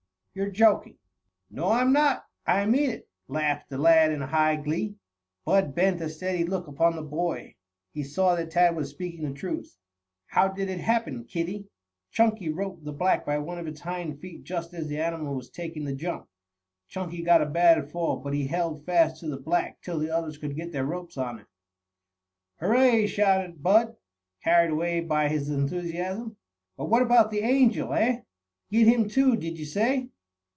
You're joking." "No, I'm not. I mean it," laughed the lad in high glee. Bud bent a steady look upon the boy. He saw that Tad was speaking the truth. "How did it happen, kiddie?" "Chunky roped the black by one of its hind feet just as the animal was taking the jump. Chunky got a bad fall, but he held fast to the black till the others could get their ropes on it." "Hurray!" shouted Bud, carried away by his enthusiasm. "But what about the Angel, eh? Get him too, did you say?"